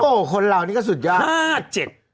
โอ้คนเหล่านี่ก็สุดยอด